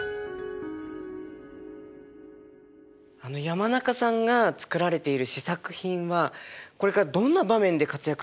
山中さんが作られている試作品はこれからどんな場面で活躍するんでしょうか？